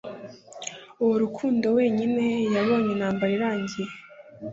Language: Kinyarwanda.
uwo Rukundo wenyine yayoboye intambara irangiye